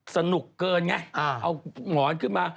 สนุกเกินไงเอาหงอนขึ้นมา